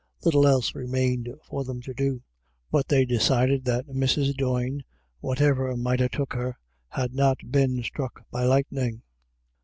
Little else remained for them to do. But they decided that Mrs. Doyne, whatever might ha' took her, had not been struck by lightning.